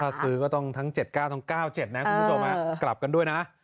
ถ้าซื้อก็ต้องทั้ง๗๙ทั้ง๙๗นะคุณผู้ชมกลับกันด้วยนะ